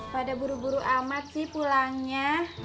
pada buru buru amat sih pulangnya